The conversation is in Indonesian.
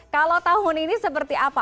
kalau tahun ini seperti apa